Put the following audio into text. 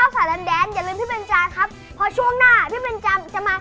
คุณผู้ชมครับ